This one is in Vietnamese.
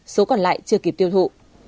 số còn lại chưa kịp tiêu thụ